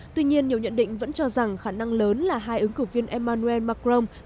tuy nhiên nhiều nhận định vẫn cho rằng khả năng lớn là hai ứng cử viên emmanuel macron